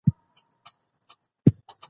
باید دا لارښوونې په عمل کې پلي کړو.